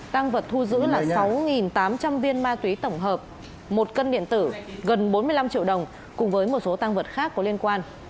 tăng vật thu giữ là sáu tám trăm linh viên ma túy tổng hợp một cân điện tử gần bốn mươi năm triệu đồng cùng với một số tăng vật khác có liên quan